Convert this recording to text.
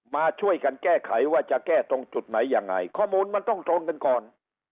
มาช่วยกันแก้ไขว่าจะแก้ตรงจุดไหนยังไงข้อมูลมันต้องตรงกันก่อน